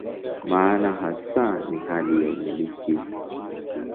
Maana hasa ni hali ya "umiliki".